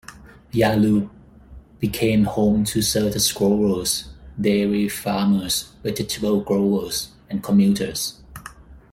Yarloop became home to citrus growers, dairy farmers, vegetable growers and commuters.